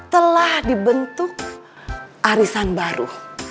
telah dibentuk arisan baru